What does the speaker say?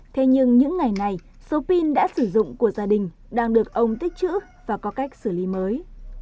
thế nhưng những ngày này số pin đã sử dụng của gia đình đang được ông tích trữ và có cách xử lý mới